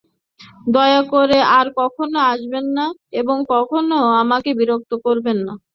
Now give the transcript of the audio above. দয়া করে আর কখনো আসবেন না এবং কখনো আমাকে বিরক্ত করবেন না।